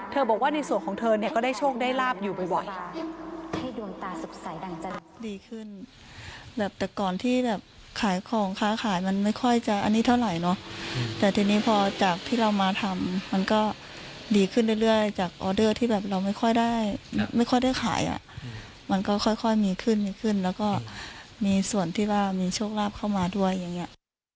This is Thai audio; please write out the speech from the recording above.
เธอบอกว่าในส่วนของเธอเนี่ยก็ได้โชคได้ลาภอยู่บ่อย